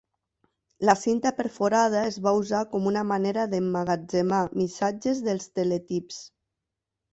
La cinta perforada es va usar com una manera d'emmagatzemar missatges dels teletips.